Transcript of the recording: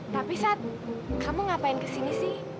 tapi saat kamu ngapain kesini sih